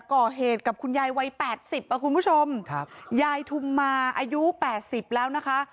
ก่อเหตุกับคุณยายวัยแปดสิบอ่ะคุณผู้ชมครับยายทุมมาอายุแปดสิบแล้วนะคะ